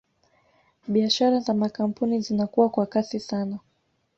Biashara za makampuni zinakua kwa kasi sana